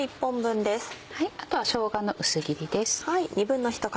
あとはしょうがの薄切りです。